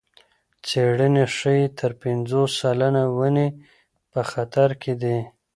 څېړنې ښيي تر پنځوس سلنه ونې په خطر کې دي.